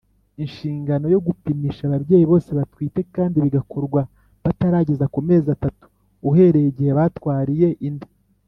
Inshingano yo gupimisha ababyeyi bose batwite kandi bigakorwa batarageza ku mezi atatu uhereye igihe batwariye inda.